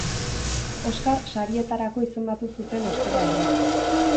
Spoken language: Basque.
Oskar sarietarako izendatu zuten ostera ere.